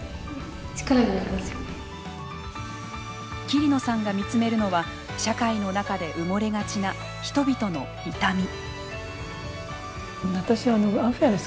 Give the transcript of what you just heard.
桐野さんが見つめるのは社会の中で埋もれがちな人々の痛み。